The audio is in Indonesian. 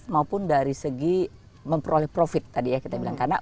maupun bukan dari segi memperek profit tadi yang mercedes dan tampak